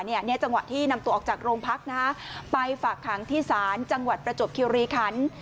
เนี่ยจังหวะที่นำตัวออกจากโรงพักนะฮะไปฝากขังที่ศาลจังหวัดประจวบคิวรีคัน